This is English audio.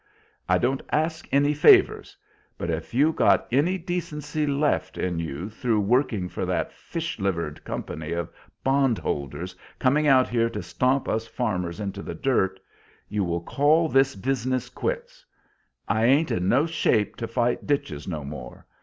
I don't ask any favors. But if you got anny desency left in you through working for that fish livered company of bondholders coming out here to stomp us farmers into the dirt, you will call this bizness quits. I aint in no shape to fight ditches no more.